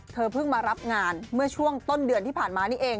เพิ่งมารับงานเมื่อช่วงต้นเดือนที่ผ่านมานี่เอง